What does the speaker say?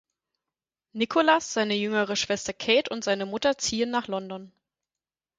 Nicholas, seine jüngere Schwester Kate und seine Mutter ziehen nach London.